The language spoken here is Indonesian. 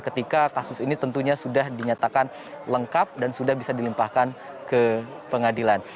ketika kasus ini tentunya sudah dinyatakan lengkap dan sudah bisa dilimpahkan ke pengadilan